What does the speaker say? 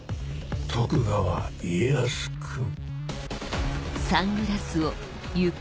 徳川家康君。